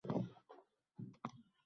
Chol soʻzida davom etibdi